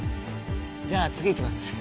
じゃあ次行きます。